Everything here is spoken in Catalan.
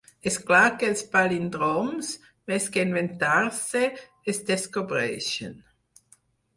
És clar que els palíndroms, més que inventar-se, es descobreixen.